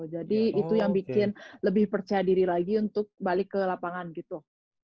jadi itu yang bikin lebih percaya diri lagi untuk balik ke lapangan gitu